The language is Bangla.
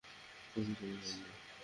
কোনো চুরি হয়নি।